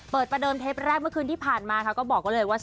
ประเดิมเทปแรกเมื่อคืนที่ผ่านมาค่ะก็บอกไว้เลยว่า